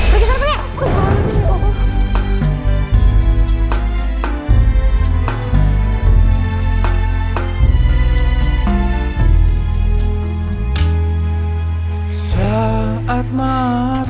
pergi ke sana pergi